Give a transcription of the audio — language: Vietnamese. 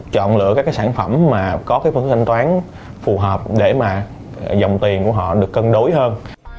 chọn lựa các cái sản phẩm mà có cái phương thức thanh toán phù hợp để mà dòng tiền của họ được cân đối hơn